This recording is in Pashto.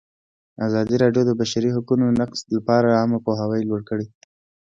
ازادي راډیو د د بشري حقونو نقض لپاره عامه پوهاوي لوړ کړی.